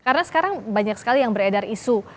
karena sekarang banyak sekali yang beredar isu